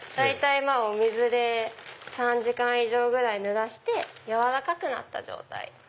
お水で３時間以上ぬらして軟らかくなった状態。